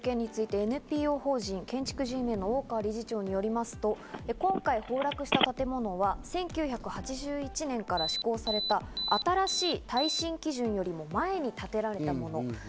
今回の件についてＮＰＯ法人・建築Ｇメンの会、大川照夫理事長によりますと、崩落した建物は１９８１年から施行された、新たな耐震基準より前に建てられたもの。